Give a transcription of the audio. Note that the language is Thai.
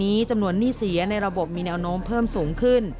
จำนวนหนี้เสียในระบบมีแนวโน้มเพิ่มสูงขึ้น